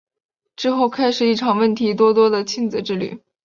之后开始一场问题多多的亲子之旅。